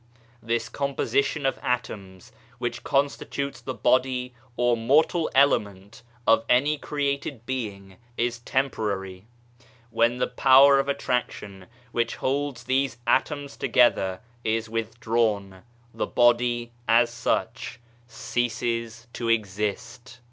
This composition of atoms, which constitutes the body or mortal element of any created being, is temporary. When the power of attrac tion, which holds these atoms together, is withdrawn, the body, as such, ceases to exist.